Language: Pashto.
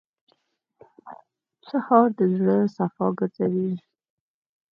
سهار د زړه صفا ګرځوي.